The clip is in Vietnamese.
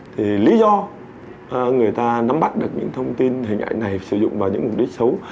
thì lý do người ta nắm bắt được những thông tin hình ảnh này sử dụng vào những mục đích xấu